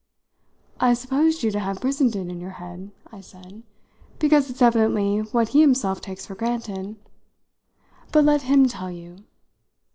"I supposed you to have Brissenden in your head," I said, "because it's evidently what he himself takes for granted. But let him tell you!"